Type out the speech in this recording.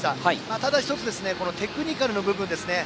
ただテクニカルの部分ですね。